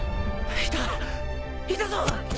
いたいたぞ！